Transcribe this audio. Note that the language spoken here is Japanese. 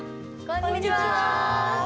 こんにちは！